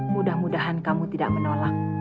mudah mudahan kamu tidak menolak